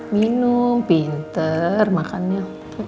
minum pinter makannya